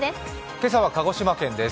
今朝は鹿児島県です。